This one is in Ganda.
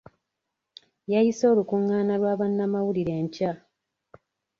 Yayise olukungaana lwa bannamawulire enkya.